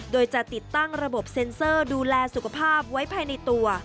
โดยจะติดตั้งระบบเซ็นเซอร์ดูแลสุขภาพไว้ภายในตัว